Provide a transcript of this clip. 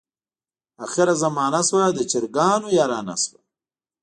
اخره زمانه شوه د چرګانو یارانه شوه.